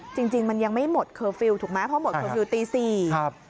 จริงมันยังไม่หมดเคอร์ฟิลถูกไหมเพราะหมดเคอร์ฟิลตี๔น